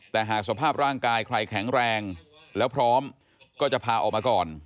แต่หากสภาพร่างกายใครแข็งแรงแล้วพร้อมก็จะพาออกมาก่อน